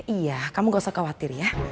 iya kamu gak usah khawatir ya